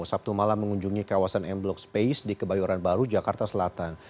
sabtu malam mengunjungi kawasan m block space di kebayoran baru jakarta selatan